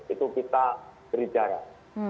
itu kita beri jarak